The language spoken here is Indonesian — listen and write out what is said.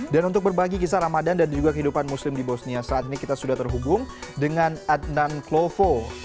dan untuk berbagi kisah ramadan dan juga kehidupan muslim di bosnia saat ini kita sudah terhubung dengan adnan klovo